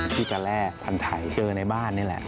ที่จะแล่กพันธุ์ไทเกอร์ในบ้านนี่แหละ